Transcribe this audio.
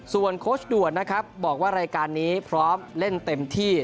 ส่วนโค้ชด่วนนะครับบอกว่ารายการนี้พร้อมเล่นเต็มที่